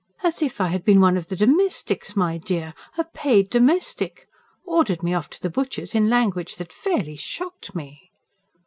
"As if I had been one of the domestics, my dear a paid domestic! Ordered me off to the butcher's in language that fairly shocked me."